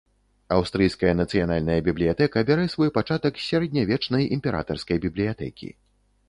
Аўстрыйская нацыянальная бібліятэка бярэ свой пачатак з сярэднявечнай імператарскай бібліятэкі.